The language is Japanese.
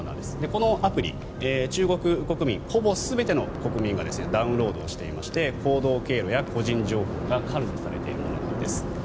このアプリ、中国国民ほぼ全ての国民がダウンロードしていまして行動経路や個人情報管理されているものなんです。